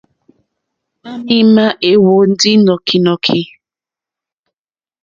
À mì má ɛ̀hwɔ̀ndí nɔ́kínɔ́kí.